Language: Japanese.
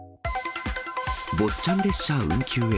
坊ちゃん列車運休へ。